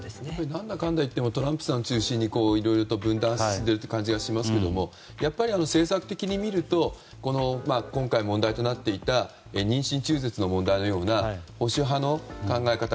なんだかんだ言ってもトランプさん中心に分断が進んでいる感じがしますけどやっぱり政策的に見ると今回、問題となっていた妊娠中絶の問題のような保守派の考え方。